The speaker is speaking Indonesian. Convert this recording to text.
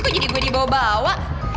aku jadi gue dibawa bawa